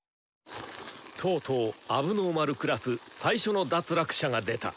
とうとう問題児クラス最初の脱落者が出た。